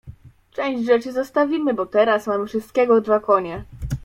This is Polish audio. Część rzeczy zostawimy, bo teraz mamy wszystkiego dwa konie.